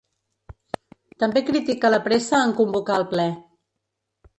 També critica la pressa en convocar el ple.